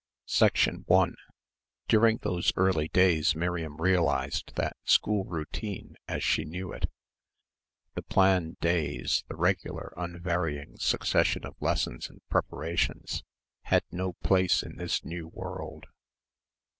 CHAPTER V 1 During those early days Miriam realised that school routine, as she knew it the planned days the regular unvarying succession of lessons and preparations, had no place in this new world.